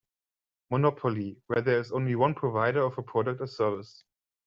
Monopoly, where there is only one provider of a product or service.